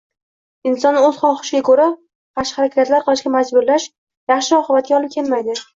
Insonni o‘z xohishiga qarshi harakatlar qilishiga majburlash, yaxhis oqibatga olib kelmaydi.